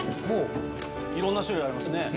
いろんな種類ありますね。